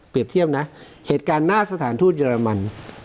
เทียบนะเหตุการณ์หน้าสถานทูตเยอรมัน